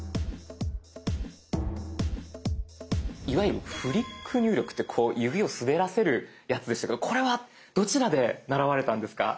いわゆるフリック入力ってこう指を滑らせるやつでしたけれどこれはどちらで習われたんですか？